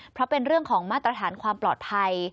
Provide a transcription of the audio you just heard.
เพราะเป็นเรื่องของมาตรฐานความปลอดภัย